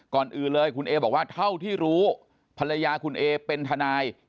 ก่อนอื่นเลยคุณเอบอกว่าเท่าที่รู้ภรรยาคุณเอเป็นทนาย